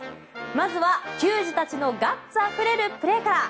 まずは球児たちのガッツあふれるプレーから。